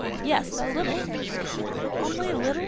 Yes, a little." "Only a little!